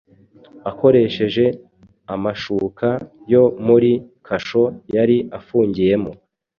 akoresheje amashuka yo muri kasho yari afungiyemo